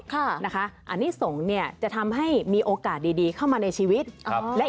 ค่ะนะคะอันนี้สงฆ์เนี่ยจะทำให้มีโอกาสดีเข้ามาในชีวิตครับและ